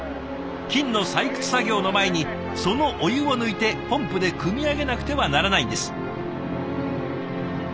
金の採掘作業の前にそのお湯を抜いてポンプでくみ上げなくてはならないんです。